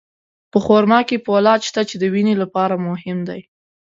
په خرما کې فولاد شته، چې د وینې لپاره مهم دی.